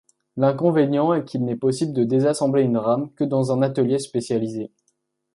L'inconvénient est qu'il n'est possible de désassembler une rame que dans un atelier spécialisé.